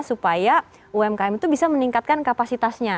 supaya umkm itu bisa meningkatkan kapasitasnya